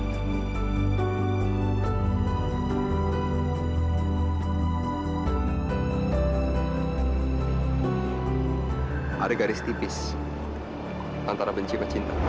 tasha kamu harus tahu ada garis tipis antara benci sama cinta